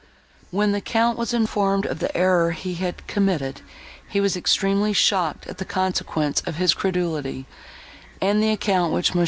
When the Count was informed of the error he had committed, he was extremely shocked at the consequence of his credulity, and the account which Mons.